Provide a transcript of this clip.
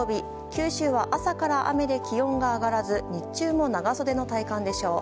九州は朝から雨で気温が上がらず日中も長袖の体感でしょう。